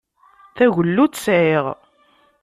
Tagella ur tt-sɛiɣ.